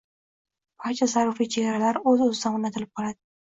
barcha zaruriy chegaralar o‘z-o‘zidan o‘rnatilib qoladi.